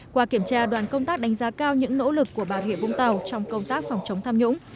qua kiểm tra đoàn công tác đánh giá cao những nỗ lực của bà rịa vũng tàu trong công tác phòng chống tham nhũng